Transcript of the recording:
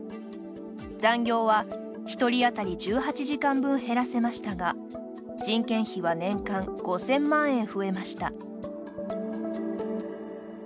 残業は１人当たり１８時間分減らせましたが人件費は年間５０００万円増えました。